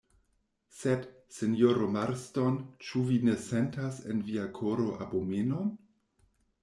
Sed, sinjoro Marston, ĉu vi ne sentas en via koro abomenon?